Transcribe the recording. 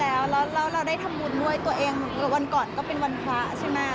แล้วแล้วเราได้ทำบุญด้วยตัวเองวันก่อนก็เป็นวันพระใช่ไหม